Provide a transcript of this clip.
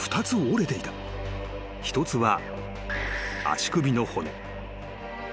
［１つは足首の骨］